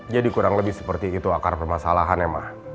jadi kurang lebih seperti itu akar permasalahan ya ma